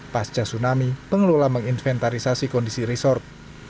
pasca tsunami pengelola menginventarisasi kondisi resort